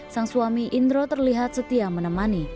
sang suami indro terlihat setia menemani